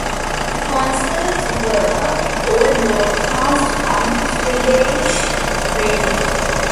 The concerts were all broadcast on Swedish radio.